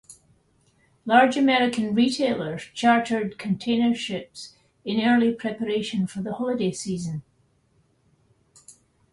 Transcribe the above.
Large American retailers chartered container ships in early preparation for the holiday season.